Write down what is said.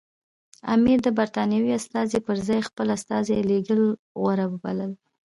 امیر د برټانوي استازي پر ځای خپل استازی لېږل غوره وبلل.